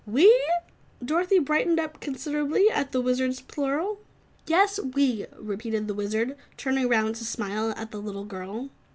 "We?" Dorothy brightened up considerably at the Wizard's plural. "Yes, we," repeated the Wizard, turning round to smile at the little girl.